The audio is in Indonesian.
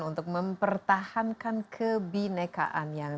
untuk mempertahankan kebinekaan yang